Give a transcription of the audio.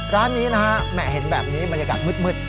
ร้านนี้นะฮะแหมเห็นแบบนี้บรรยากาศมืด